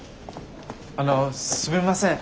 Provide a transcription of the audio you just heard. あのすみません。